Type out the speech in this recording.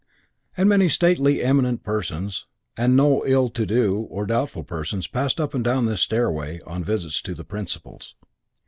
Many stately and eminent persons and no ill to do or doubtful persons passed up and down this stairway on visits to the principals.